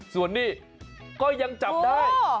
ส่วนนี้ก็ยังจับได้